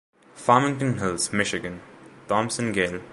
Farmington Hills, Mich.: Thomson Gale.